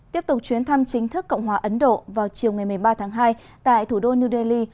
tiếp tục chuyến thăm chính thức cộng hòa ấn độ vào chiều ngày một mươi ba tháng hai tại thủ đô new delhi